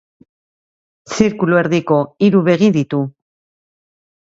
Zirkulu erdiko hiru begi ditu.